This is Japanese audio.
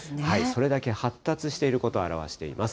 それだけ発達していることを表しています。